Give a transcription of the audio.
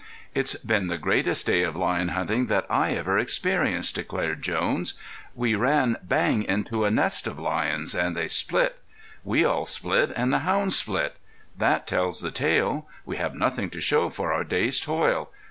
"It's been the greatest day of lion hunting that I ever experienced," declared Jones. "We ran bang into a nest of lions and they split. We all split and the hounds split. That tells the tale. We have nothing to show for our day's toil.